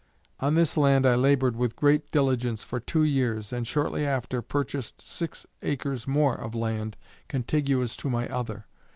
On this land I labored with great diligence for two years, and shortly after purchased six acres more of land contiguous to my other.